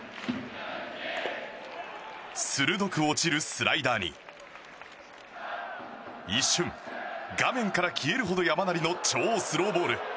鋭く落ちるスライダーに一瞬、画面から消えるほど山なりの超スローボール。